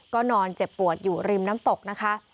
ก็นอนเจ็บปวดอยู่ริมน้ำตกนะคะ